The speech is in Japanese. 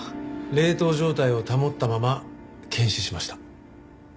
冷凍状態を保ったまま検視しました。